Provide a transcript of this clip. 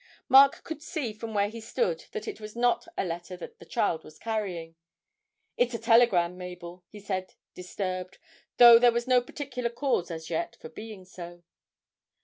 Mark could see from where he stood that it was not a letter that the child was carrying. 'It's a telegram, Mabel,' he said, disturbed, though there was no particular cause as yet for being so.